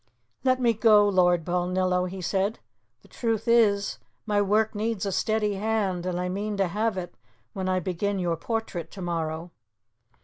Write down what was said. "Let me go, Lord Balnillo," he said. "The truth is, my work needs a steady hand, and I mean to have it when I begin your portrait to morrow."